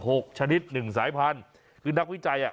ทีมนักวิจัยเขาได้รับทราบข้อมูลว่ามีม่อข้าวมาแกงลิงชนิดใหม่ใช่มั้ย